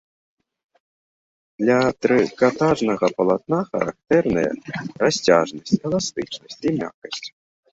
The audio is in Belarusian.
Для трыкатажнага палатна характэрныя расцяжнасць, эластычнасць і мяккасць.